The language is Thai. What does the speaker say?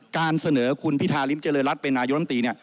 การเสนอคุณพิธาริมเจริญรัฐเป็นนายกรรมตรี